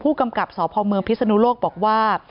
ผู้กำกับสพมพิศนุโลกบอกว่า